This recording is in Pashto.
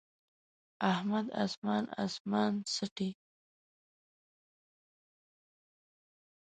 احمد اسمان اسمان څټي.